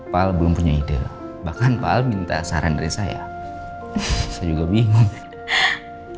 pak al belum punya ide bahkan pal minta saran dari saya saya juga bingung